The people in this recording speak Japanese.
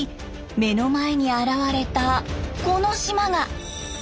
目の前に現れたこの島が。